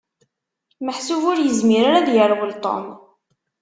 Meḥsub ur yezmir ara ad yerwel Tom.